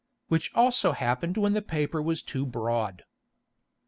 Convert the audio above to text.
Which also happened when the Paper was too broad.